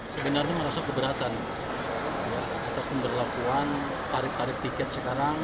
sebenarnya merasa keberatan atas pemberlakuan tarif tarif tiket sekarang